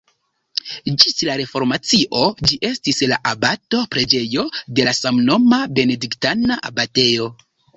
Ĝis la reformacio ĝi estis la abato-preĝejo de la samnoma benediktana abatejo.